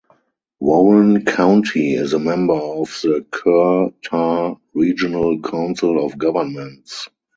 Warren County is a member of the Kerr-Tar Regional Council of Governments.